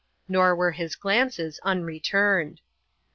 Nor were his glances unreturned.